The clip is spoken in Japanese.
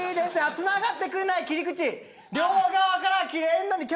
繋がってくれない切り口両側から切れるのに。